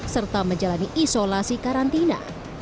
serta menjalani isolasi karantina